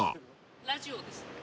ラジオです。